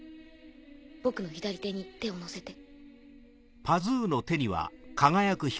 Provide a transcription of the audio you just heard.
僕の左手に手をのせて。